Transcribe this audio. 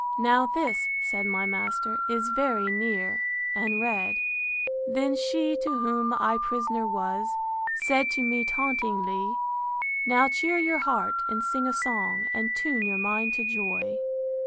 Now this, said my master, is very near; and read: III. Then she, to whom I prisoner was, Said to me tauntingly, Now cheer your heart, and sing a song, And tune your mind to joy.